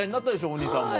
お兄さんも。